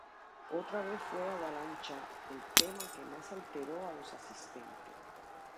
Otra vez fue ""Avalancha"" el tema que más alteró a los asistentes.